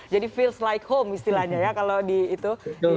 jadi feels like home istilahnya ya kalau di itu